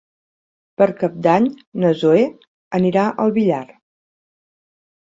Per Cap d'Any na Zoè anirà al Villar.